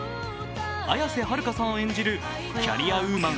綾瀬はるかさん演じるキャリアウーマン、